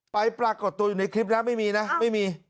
ปรากฏตัวอยู่ในคลิปนะไม่มีนะไม่มี